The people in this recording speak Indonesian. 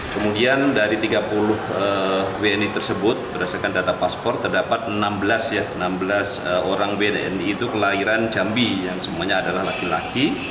kemudian dari tiga puluh wni tersebut berdasarkan data paspor terdapat enam belas orang wdni itu kelahiran jambi yang semuanya adalah laki laki